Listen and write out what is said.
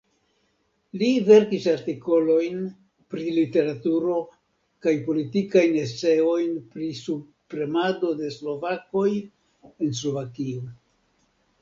Li verkis artikolojn pri literaturo kaj politikajn eseojn pri subpremado de slovakoj en Slovakio.